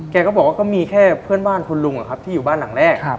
แกก็บอกว่าก็มีแค่เพื่อนบ้านคุณลุงที่อยู่บ้านหลังแรก